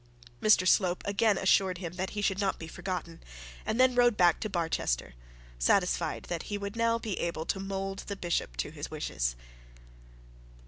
Mr Slope assured him that he should not be forgotten, and then rode back to Barchester, satisfied that he would now be able to mould the bishop to his wishes.